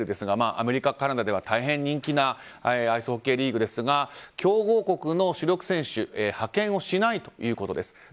アメリカ、カナダでは大変人気なアイスホッケーリーグですが強豪国の主力選手を派遣しないということです。